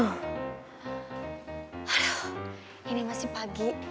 aduh ini masih pagi